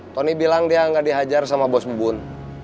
tony bilang dia enggak dihajar sama bos bubun